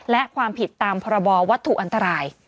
และความผิดตามพรบวัตถุอันตราย